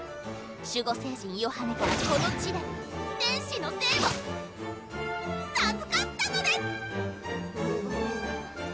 守護聖人ヨハネからこの地で天使の生を授かったのです！